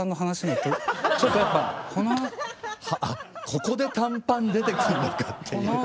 ここで短パン出てくんのかっていう。